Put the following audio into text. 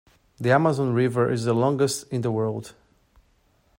The Amazon River is the longest in the world.